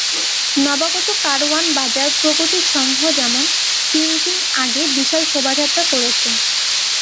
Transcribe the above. নবাগত কারওয়ান বাজার প্রগতি সংঘ যেমন তিন দিন আগে বিশাল শোভাযাত্রা করেছে।